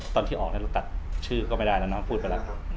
ตอนที่ออกเนี่ยเราตัดชื่อก็ไม่ได้แล้วนะพูดไปแล้ว